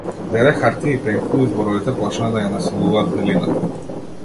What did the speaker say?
Зеде хартија и пенкало и зборовите почнаа да ја населуваат белината.